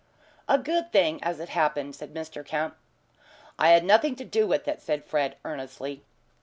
"A good thing as it happened," said Mr. Kemp. "I had nothing to do with it," said Fred, earnestly.